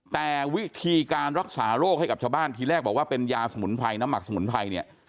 แต่วิธีการรักษาโรคให้กับชาวบ้านทีแรกบอกว่าเป็นยาสมุนไพรน้ำหมักสมุนไพรเนี่ย